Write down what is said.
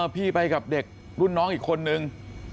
พี่ไปกับเด็กรุ่นน้องอีกคนนึง